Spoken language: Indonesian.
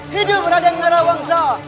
hidup raja narawangsa